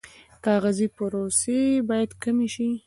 کاغذي پروسې باید کمې شي